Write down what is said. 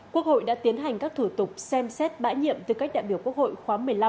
quốc hội đã tiến hành các thủ tục xem xét bãi nhiệm từ các đại biểu quốc hội khoá một mươi năm